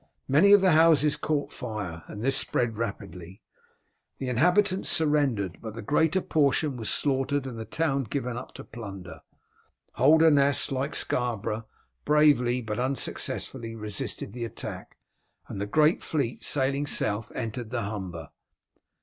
Many of the houses caught fire, and this spread rapidly. The inhabitants surrendered, but the greater portion was slaughtered and the town given up to plunder. Holderness, like Scarborough, bravely but unsuccessfully resisted the attack, and the great fleet sailing south entered the Humber.